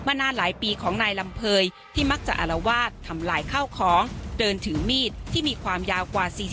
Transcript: นานหลายปีของนายลำเภยที่มักจะอารวาสทำลายข้าวของเดินถือมีดที่มีความยาวกว่า๔๐